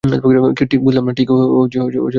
ঠিক বুঝলাম না।